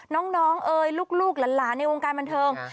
น้องเอ๋ยลูกหลานในวงการบันเทิง